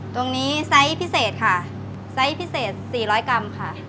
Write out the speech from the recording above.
ตรงนี้ไซส์พิเศษค่ะไซส์พิเศษ๔๐๐กรัมค่ะ